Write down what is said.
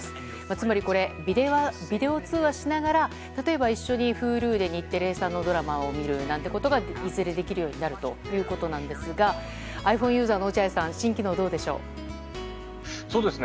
つまりこれ、ビデオ通話しながら例えば、一緒にＨｕｌｕで日テレのドラマを見るなんてことがいずれ、できるようになるということなんですがｉＰｈｏｎｅユーザーの落合さん新機能どうでしょう。